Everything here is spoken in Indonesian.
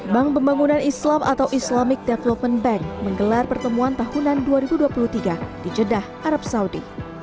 bank pembangunan islam atau islamic development bank menggelar pertemuan tahunan dua ribu dua puluh tiga di jeddah arab saudi